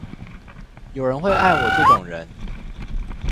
有人會愛我這種人